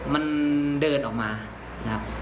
มันเดินออกมานะครับ